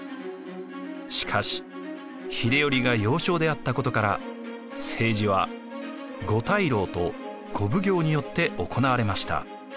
しかし秀頼が幼少であったことから政治は五大老と五奉行によって行われました。